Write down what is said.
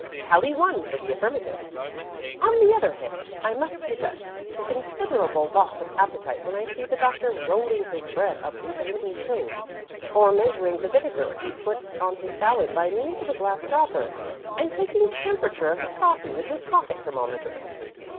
Tally one for the affirmative. On the other hand, I must confess to considerable loss of appetite when I see the Doctor rolling his bread up into little pills, or measuring the vinegar he puts on his salad by means of a glass dropper, and taking the temperature of his coffee with his pocket thermometer.